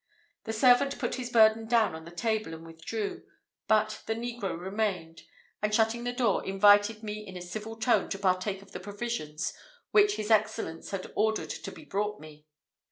The servant put his burden down on the table, and withdrew; but the negro remained, and shutting the door, invited me in a civil tone to partake of the provisions which his Excellence had ordered to be brought me.